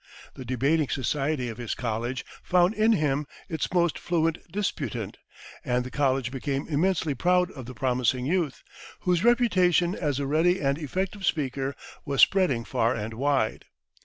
The debating society of his college found in him its most fluent disputant, and the college became immensely proud of the promising youth, whose reputation as a ready and effective speaker was spreading far and wide.